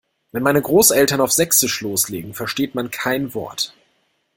Wenn meine Großeltern auf sächsisch loslegen, versteht man kein Wort.